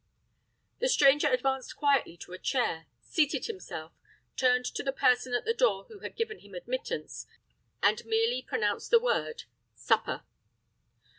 The stranger advanced quietly to a chair, seated himself, turned to the person at the door who had given him admittance, and merely pronounced the word "Supper."